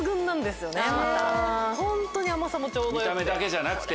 ホントに甘さもちょうどよくて。